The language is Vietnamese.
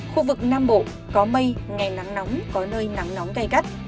khu vực nam bộ có mây nghe nắng nóng có nơi nắng nóng gây gắt